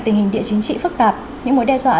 tình hình địa chính trị phức tạp những mối đe dọa